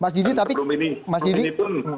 sebelum ini pun